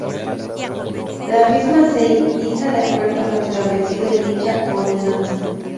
La misma se iza de acuerdo a lo establecido en dicha Ordenanza.